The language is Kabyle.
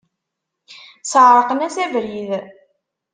Sεerqen-as abrid.